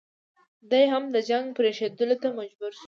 دی هم د جنګ پرېښودلو ته مجبور شو.